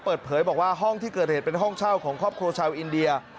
เปิดเผยบอกว่าห้องที่เกิดเหตุเป็นห้องเช่าของครอบครัวชาวอินเดีย